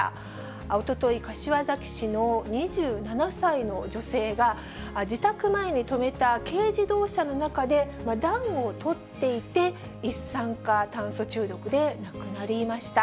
おととい、柏崎市の２７歳の女性が、自宅前に止めた軽自動車の中で暖をとっていて、一酸化炭素中毒で亡くなりました。